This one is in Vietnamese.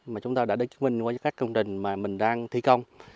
mà chúng ta đã chứng minh qua các công trình mà mình đang thi công